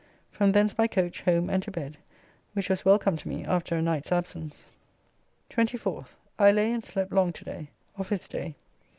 From thence by coach home and to bed, which was welcome to me after a night's absence. 24th. I lay and slept long to day. Office day.